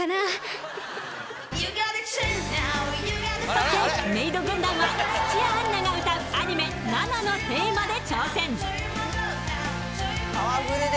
そしてメイド軍団は土屋アンナが歌うアニメ「ＮＡＮＡ」のテーマで挑戦